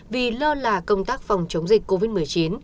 vì lơ là công tác phòng chống dịch covid một mươi chín